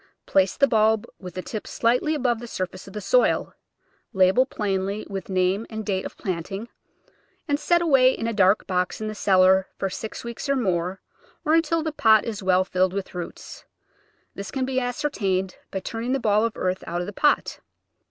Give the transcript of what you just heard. Place the bulb with the tip slightly above the surface of the soil, label plainly with name and date of planting, and set away in a dark box in the cellar for six weeks or more, or until the pot is well filled with roots; this can be ascertained by turning the ball of earth out of the pot.